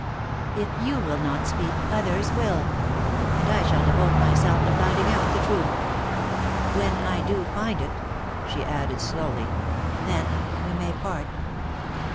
If you will not speak, others will; and I shall devote myself to finding out the truth. When I do find it," she added slowly, "then we may part.